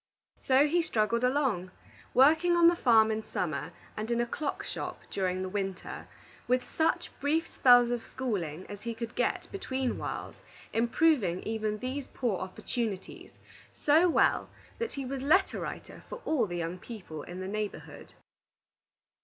So he struggled along, working on the farm in summer and in a clock shop during the winter, with such brief spells of schooling as he could get between whiles, improving even these poor opportunities so well that he was letter writer for all the young people in the neighborhood.